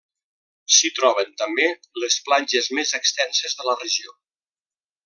S'hi troben també les platges més extenses de la regió.